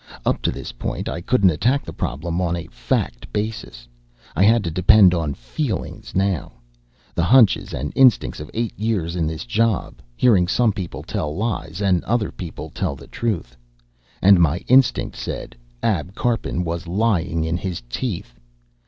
Up to this point, I couldn't attack the problem on a fact basis. I had to depend on feeling now, the hunches and instincts of eight years in this job, hearing some people tell lies and other people tell the truth. And my instinct said Ab Karpin was lying in his teeth.